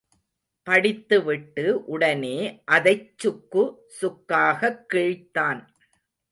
படித்துவிட்டு உடனே அதைச் சுக்கு சுக்காகக் கிழித்தான்.